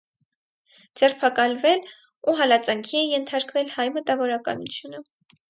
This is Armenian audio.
Ձերբակալվել ու հալածանքի է ենթարկվել հայ մտավորականությունը։